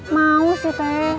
mau sih teh